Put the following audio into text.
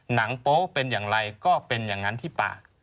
โป๊ะเป็นอย่างไรก็เป็นอย่างนั้นที่ปาก